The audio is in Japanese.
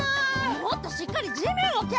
もっとしっかりじめんをける！